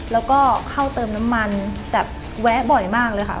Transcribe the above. แล้วก็เข้าเติมน้ำมันแบบแวะบ่อยมากเลยค่ะ